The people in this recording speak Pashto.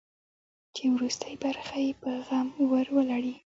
چې وروستۍ برخه یې په غم ور ولړي.